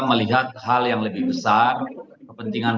melihat hal yang lebih besar kepentingan